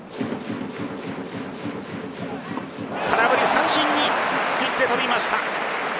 空振り三振に切って取りました。